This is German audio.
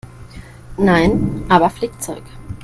Nein, aber Flickzeug.